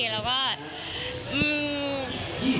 แล้วก็